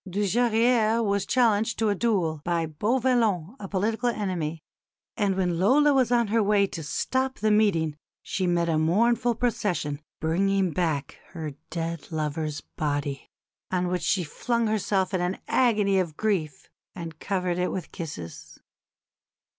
Dujarrier was challenged to a duel by Beauvallon, a political enemy; and when Lola was on her way to stop the meeting she met a mournful procession bringing back her dead lover's body, on which she flung herself in an agony of grief and covered it with kisses.